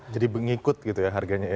jadi mengikut gitu ya harganya ya